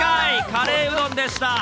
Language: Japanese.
カレーうどんでした。